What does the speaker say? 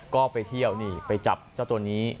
ก็ไปเที่ยวนี่ไปจับเจ้าตัวนี้